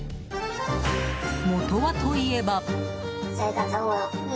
元はといえば。